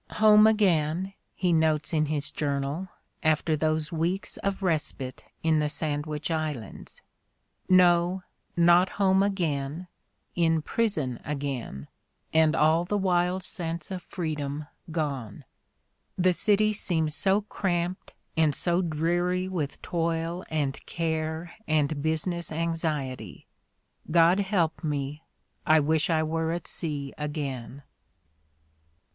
"Home again," he notes in his journal, after those weeks of respite in the Sandwich Islands. "No — ^not home again — in prison again, and all the wild sense of freedom gone. The city seems so cramped and so dreary with toil and care and business anxiety. God help me, I wish I were at sea again!"